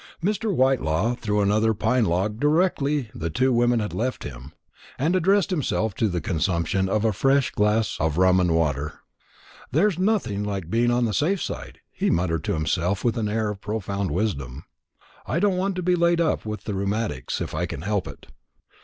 Mr. Whitelaw threw on another pine log directly the two women had left him, and addressed himself to the consumption of a fresh glass of rum and water. "There's nothing like being on the safe side," he muttered to himself with an air of profound wisdom. "I don't want to be laid up with the rheumatics, if I can help it."